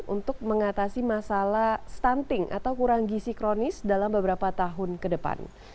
untuk mengatasi masalah stunting atau kurang gisi kronis dalam beberapa tahun ke depan